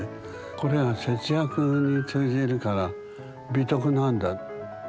これが節約に通じるから美徳なんだと。